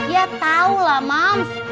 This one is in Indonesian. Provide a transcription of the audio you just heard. ya tau lah mams